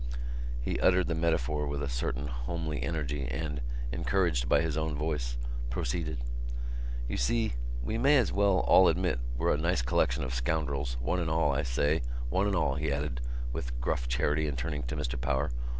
He uttered the metaphor with a certain homely energy and, encouraged by his own voice, proceeded: "You see, we may as well all admit we're a nice collection of scoundrels, one and all. I say, one and all," he added with gruff charity and turning to Mr Power.